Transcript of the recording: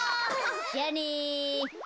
じゃあね。